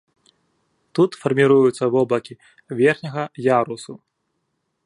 Тут фарміруюцца воблакі верхняга ярусу.